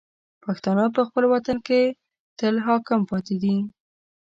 پښتانه په خپل وطن کې تل حاکم پاتې دي.